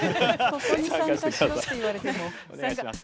ここに参加しろって言われても。